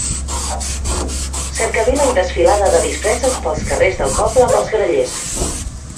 Cercavila i desfilada de disfresses pels carrers del poble amb els grallers.